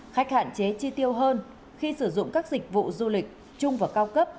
khách hạn chế chi tiêu hơn khi sử dụng các dịch vụ du lịch chung và cao cấp